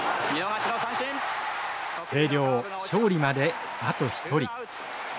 星稜勝利まであと１人。